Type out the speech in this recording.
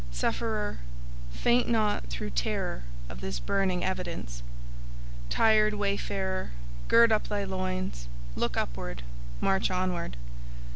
Sufferer, faint not through terror of this burning evidence. Tired wayfarer, gird up thy loins; look upward, march onward.